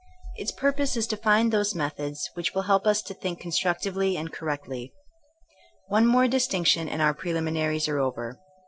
Its purpose is to find those methods which will help us to think constructively and correctly. One more distinction and our preliminaries are over.